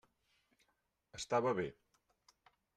Estava bé!